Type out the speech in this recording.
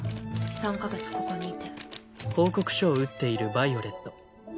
３か月ここにいて。